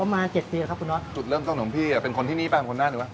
ประมาณเจ็ดปีครับคุณน้อยสุดเริ่มต้องหน่วงพี่อ่ะเป็นคนที่นี้ป่ะเป็นคนนั้นหรือเปล่า